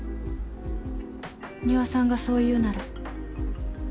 仁和さんがそう言うなら。